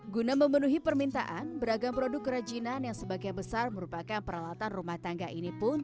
guna memenuhi permintaan beragam produk kerajinan yang sebagian besar merupakan peralatan rumah tangga ini pun